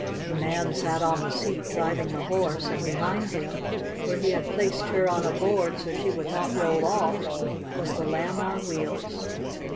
The man sat on the seat, driving the horse, and behind him, where he had placed her on a board so she would not roll off, was the Lamb on Wheels.